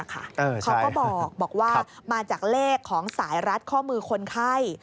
เขาก็บอกว่ามาจากเลขของสายรัดข้อมือคนไข้